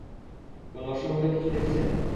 কোনও অস্বাভাবিক কিছু দেখছেন?